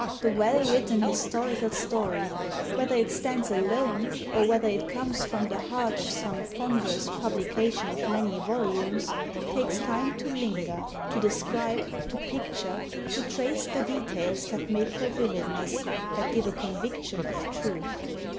The well written historical story, whether it stands alone or whether it comes from the heart of some ponderous publication of many volumes, takes time to linger, to describe, to picture, to trace the details that make for vividness, that give a conviction of truth.